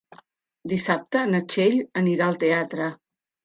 Dissabte na Txell anirà al teatre.